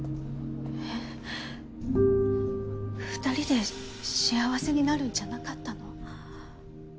２人で幸せになるんじゃなかったの？